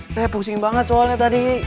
saya pusing banget soalnya tadi